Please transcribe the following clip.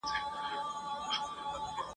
د هیچا د پوهېدلو او هضمولو وړ نه دي !.